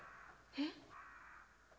えっ？